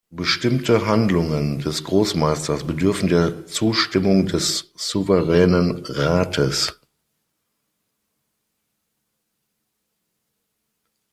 Bestimmte Handlungen des Großmeisters bedürfen der Zustimmung des Souveränen Rates.